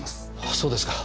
あそうですか。